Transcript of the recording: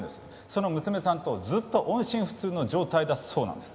その娘さんとずっと音信不通の状態だそうなんです。